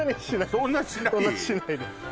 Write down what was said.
そんなしないです